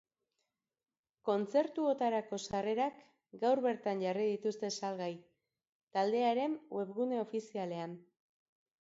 Kontzertuotarako sarrerak gaur bertan jarri dituzte salgai, taldearen webgune ofizialean.